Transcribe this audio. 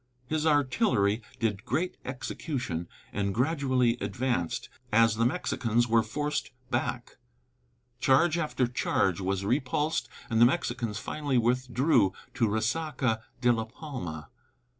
His artillery did great execution, and gradually advanced, as the Mexicans were forced back. Charge after charge was repulsed, and the Mexicans finally withdrew to Resaca de la Palma.